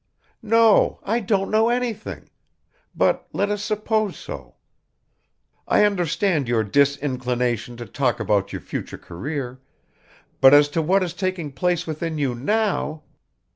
"No, I don't know anything ... but let us suppose so. I understand your disinclination to talk about your future career, but as to what is taking place within you now